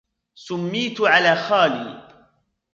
سُميّتُ على خالي.